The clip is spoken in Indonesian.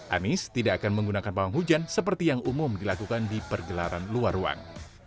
anies tidak akan menggunakan pawang hujan seperti yang umum dilakukan di pergelaran luar ruang